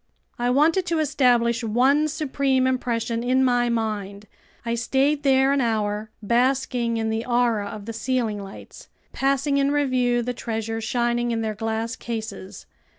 I wanted to establish one supreme impression in my mind. I stayed there an hour, basking in the aura of the ceiling lights, passing in review the treasures shining in their glass cases.